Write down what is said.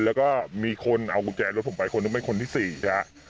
แล้วก็มีคนเอากุญแจรถผมไปคนนั้นเป็นคนที่๔ใช่ไหม